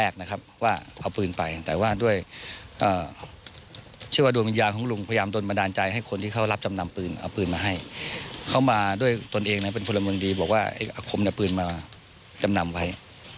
เขามาด้วยตนเองนะเป็นคนละมวงดีบอกว่าอักคมหน้าปืนมาจำนำไว้